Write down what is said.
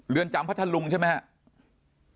เรือนจำพระทันลุงใช่ไหมครับ